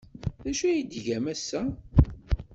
D acu ay tgam ass-a?